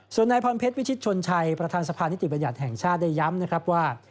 ส่วนนายพรเพชรวิชิตชนชัยประธานสภานิติบัญญัติแห่งชาติได้ย้ำนะครับว่า